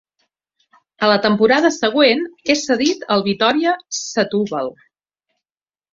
A la temporada següent és cedit al Vitória Setúbal.